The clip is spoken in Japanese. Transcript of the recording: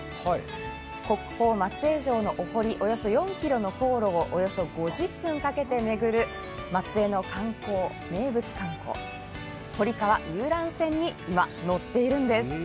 国宝・松江城のお堀およそ４ｋｍの航路をおよそ５０分かけて巡る松江の名物観光、堀川遊覧船に今、乗っているんです